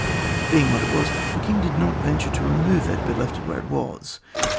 Being what it was, the king did not venture to remove it, but left it where it was.